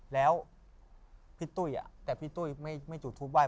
เพราะยกปืนไหว้เดี๋ยว